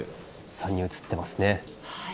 ３人映ってますね。